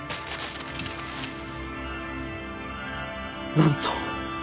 なんと。